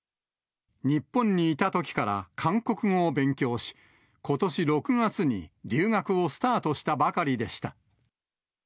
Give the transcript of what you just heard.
日本にいたときから韓国語を勉強し、ことし６月に留学をスタートしたばかりでした。